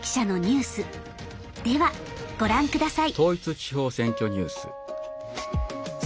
では、ご覧ください。